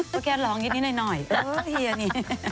ก็แค่ร้องอย่างนี้หน่อยฮือเฮียนี้